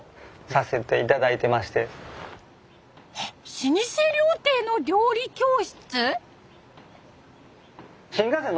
老舗料亭の料理教室？